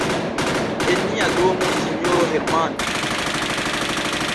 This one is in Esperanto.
En nia domo, sinjoro Hermann.